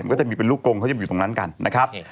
ก็จะมีเป็นลูกกงเขาจะอยู่ตรงนั้นกันนะครับ